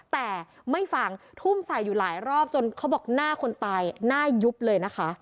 แต่ไม่ฟังทุ่มใส่อยู่หลายรอบจนเขาบอกหน้าคนตายหน้ายุบเลยนะคะ